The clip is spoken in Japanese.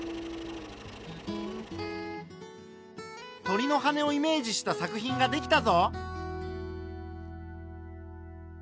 鳥の羽をイメージした作品ができたぞ。